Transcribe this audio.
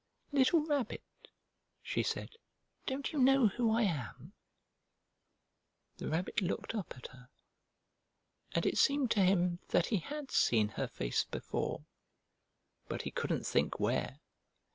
"Little Rabbit," she said, "don't you know who I am?" The Rabbit looked up at her, and it seemed to him that he had seen her face before, but he couldn't think where.